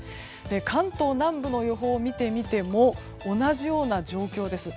関東南部の予報を見ても同じような状況です。